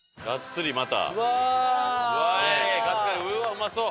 うまそう！